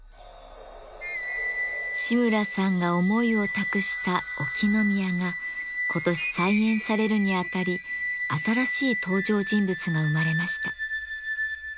志村さんが思いを託した「沖宮」が今年再演されるにあたり新しい登場人物が生まれました。